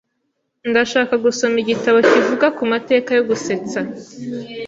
Ndashaka gusoma igitabo kivuga ku mateka yo gusetsa.